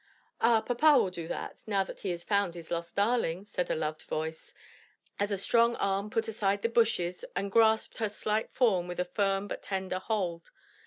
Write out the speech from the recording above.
"Ah, papa will do that, now he has found his lost darling," said a loved voice, as a strong arm put aside the bushes, and grasped her slight form with a firm, but tender hold.